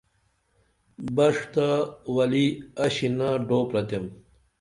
بش تہ ولی اشینہ ڈوپرتیم